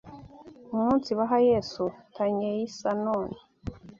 umunsibaha Yesu” ta n y e is a n o n o